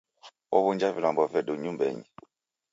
Ow'unja vilambo vedu nyumbenyi.